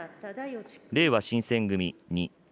れいわ新選組２。